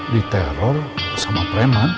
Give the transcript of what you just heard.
diteror sama preman